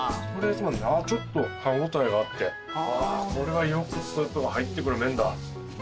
ちょっと歯応えがあってこれはよくスープが入ってくる麺だ。